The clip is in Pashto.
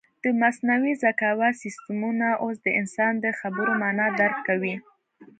د مصنوعي ذکاوت سیسټمونه اوس د انسان د خبرو مانا درک کوي.